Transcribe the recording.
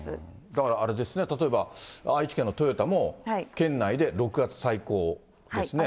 だからあれですね、例えば愛知県の豊田も、県内で６月最高ですね。